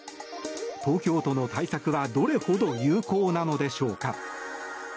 東京都の対策はどれほど有効なのでしょうか。